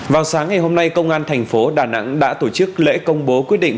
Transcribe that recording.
vào sáng ngày hôm nay công an thành phố đà nẵng đã tổ chức lễ công bố quyết định